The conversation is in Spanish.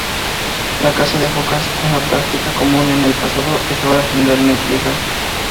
La caza de focas, una práctica común en el pasado, es ahora generalmente ilegal.